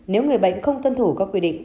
nếu người bệnh không tân thủ các quy định